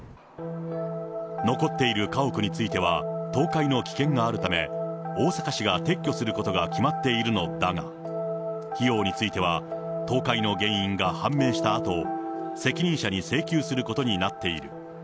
残っている家屋については、倒壊の危険があるため、大阪市が撤去することが決まっているのだが、費用については倒壊の原因が判明したあと、責任者に請求することになっている。